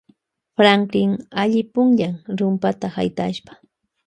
Franklin alli pukllan rumpata haytashpa.